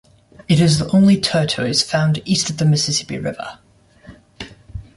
It is the only tortoise found east of the Mississippi River.